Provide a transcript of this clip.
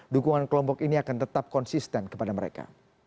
dukungan kelompok ini akan tetap konsisten kepada mereka